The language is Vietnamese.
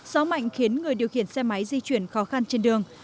gió mạnh khiến người điều khiển xe máy di chuyển khó khăn trên đường